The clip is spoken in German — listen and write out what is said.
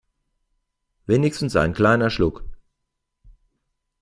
Wenigstens ein kleiner Schluck.